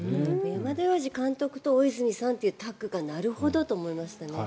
山田洋次監督と大泉さんというタッグがなるほどと思いましたね。